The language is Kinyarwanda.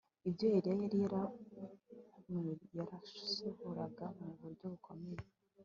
Ibyo Eliya yari yaraanuye hyasohoraga mu buryo bukomeye